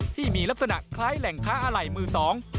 ที่มีลักษณะคล้ายแหล่งค้าอะไหล่มือสอง